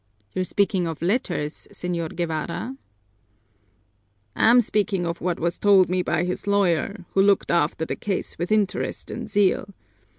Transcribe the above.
"You're speaking of letters, Señor Guevara?" "I'm speaking of what was told me by his lawyer, who looked after the case with interest and zeal.